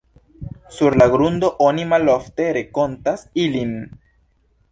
Sur la grundo oni malofte renkontas ilin.